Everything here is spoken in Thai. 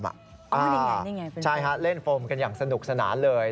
นี่ไงใช่ฮะเล่นโฟมกันอย่างสนุกสนานเลย